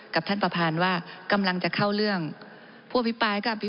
คับเข้าใจแล้วครับ